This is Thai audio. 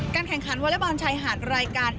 การแข่งขันวลบชายหาดรายการ